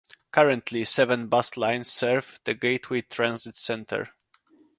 Currently seven bus lines serve the Gateway Transit Center.